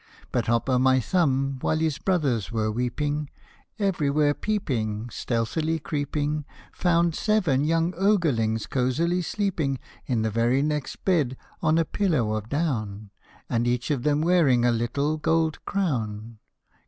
But Hop o' my Thumb, while his brothers were weeping, Everywhere peeping, Stealthily creeping, Found seven young Ogrelings cozily sleeping In the very next bed on a pillow of down, And each of them wearing a little gold crown.